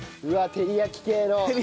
照り焼き系の。